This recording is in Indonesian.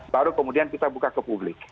baru kemudian kita buka ke publik